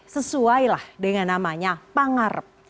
sesuai lah dengan namanya pangarep